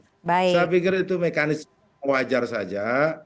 saya pikir itu mekanisme wajar saja